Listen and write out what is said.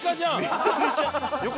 めちゃめちゃ。